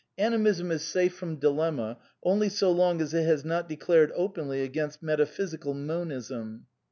Animism is safe from dilemma only so long as it has not declared openly against metaphysical Monism.